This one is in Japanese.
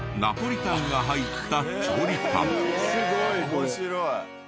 面白い。